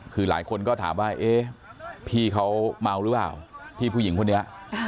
คือหลายคนก็ถามว่าเอ๊ะพี่เขาเมาหรือเปล่าพี่ผู้หญิงคนนี้